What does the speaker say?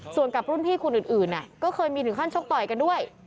ส่วนกับรุ่นพี่คนอื่นก็เคยมีถึงขั้นชกต่อยกันด้วย